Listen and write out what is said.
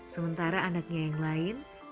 sementara anaknya yang lain